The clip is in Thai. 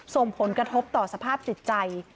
ส่งผลกระทบต่อสภาพจิตใจ